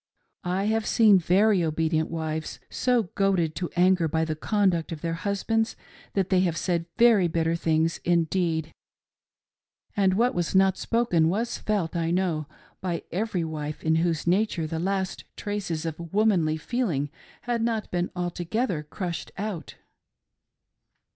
I have seen very obedient wives so goaded to anger by the conduct of their husbands that they have said very bitter things indeed ; and what was not spoken, was felt, I know, by every wife in whose nature the last traces of womanly feeling.' had not been altogether crushed out.